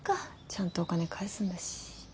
ちゃんとお金返すんだし。